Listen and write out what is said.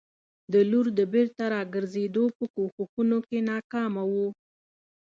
د لور د بېرته راګرزېدو په کوښښونو کې ناکامه وو.